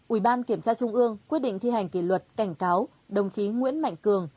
ủy ban kiểm tra trung ương quyết định thi hành kỷ luật cảnh cáo đồng chí nguyễn mạnh cường